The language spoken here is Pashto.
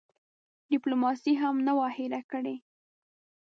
ډیپلوماسي هم نه وه هېره کړې.